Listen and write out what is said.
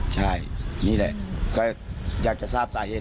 ใช่นี่แหละเขาอยากจะทราบสาเหตุตรงนี้